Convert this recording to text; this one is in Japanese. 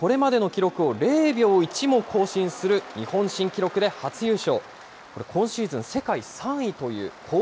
２１歳の泉谷が、これまでの記録を０秒１も更新する日本新記録で初優勝。